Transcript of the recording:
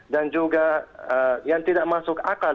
dan juga yang tidak masuk akal